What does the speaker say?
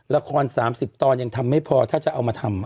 ละคร๓๐ตอนยังทำไม่พอถ้าจะเอามาทำ